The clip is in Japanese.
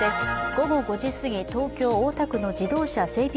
午後５時すぎ、東京・大田区の自動車整備